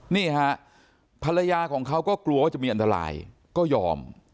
นี่ฮะภรรยาของเขาก็กลัวว่าจะมีอันตรายก็ยอม